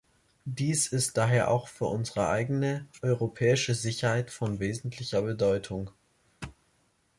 Dies ist daher auch für unsere eigene europäische Sicherheit von wesentlicher Bedeutung.